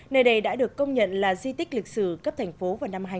nơi đây đã được công nhận là di tích lịch sử cấp thành phố vào năm hai nghìn một mươi